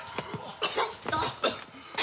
ちょっと！